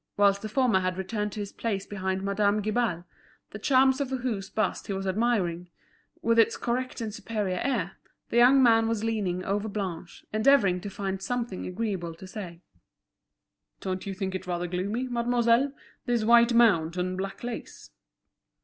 Whilst the former had returned to his place behind Madame Guibal, the charms of whose bust he was admiring, with his correct and superior air, the young man was leaning over Blanche, endeavouring to find something agreeable to say. "Don't you think it rather gloomy, mademoiselle, this white mount and black lace?"